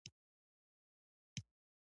او د وخت کمبود مو هېر کړ